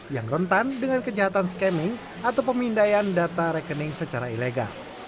yang rentan dengan kejahatan scamming atau pemindaian data rekening secara ilegal